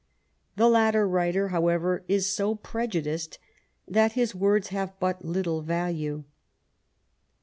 The latter writer, however, is so prejudiced that his words have but little value.